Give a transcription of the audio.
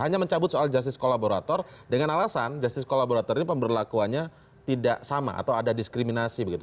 hanya mencabut soal justice kolaborator dengan alasan justice kolaborator ini pemberlakuannya tidak sama atau ada diskriminasi begitu